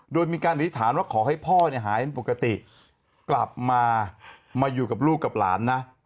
โดยมีการอธิษฐานว่าขอให้พ่อหายเป็นปกติกลับมามาอยู่กับลูกกับหลานนะ